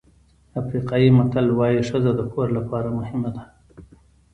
افریقایي متل وایي ښځه د کور لپاره مهمه ده.